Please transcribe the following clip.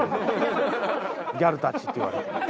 ギャルたちって言われて。